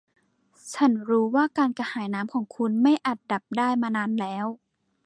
ฉันรู้ว่าการกระหายน้ำของคุณไม่อาจดับได้มานานแล้ว